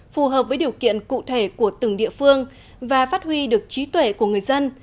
phù hợp với điều kiện cụ thể của từng địa phương và phát huy được trí tuệ của người dân